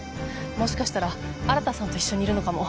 もしかしたら新さんと一緒にいるのかも。